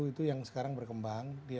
itu yang sekarang berkembang